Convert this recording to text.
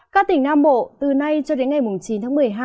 các tỉnh nam bộ từ nay cho đến ngày chín tháng một mươi hai